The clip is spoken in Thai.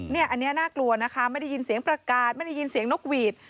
อันนี้น่ากลัวนะคะไม่ได้ยินเสียงประกาศไม่ได้ยินเสียงนกหวีด